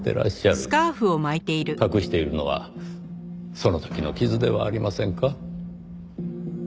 隠しているのはその時の傷ではありませんか？